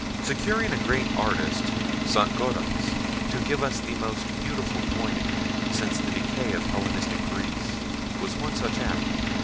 Securing a great artist, Saint Gaudens, to give us the most beautiful coinage since the decay of Hellenistic Greece was one such act.